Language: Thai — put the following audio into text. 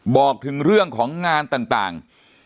บอกถึงเรื่องของงานต่าง